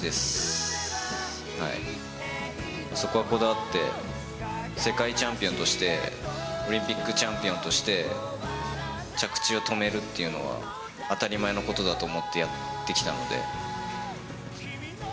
そこはこだわって、世界チャンピオンとして、オリンピックチャンピオンとして、着地を止めるっていうのは、当たり前のことだと思ってやってきたので。